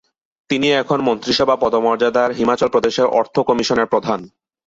তিনি এখন মন্ত্রিসভা পদমর্যাদার হিমাচল প্রদেশের অর্থ কমিশনের প্রধান।